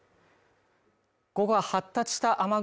午後発達した雨雲